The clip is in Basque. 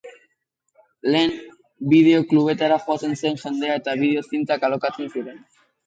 Lehen, bideo-klubetara joaten zen jendea eta bideo-zintak alokatzen ziren.